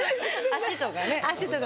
足とかね。